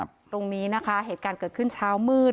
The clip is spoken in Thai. ตรงนี้นะคะเหตุการณ์เกิดขึ้นเช้ามืด